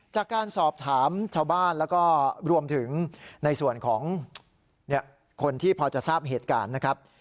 จากการสอบถามชาวบ้านแล้วก็รวมถึงในส่วนของคนที่พอจะทราบเหตุการณ์นะครับ